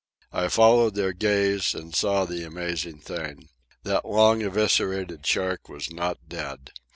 I followed their gaze and saw the amazing thing. That long eviscerated shark was not dead.